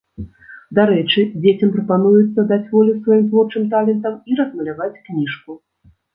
Дарэчы, дзецям прапануецца даць волю сваім творчым талентам і размаляваць кніжку.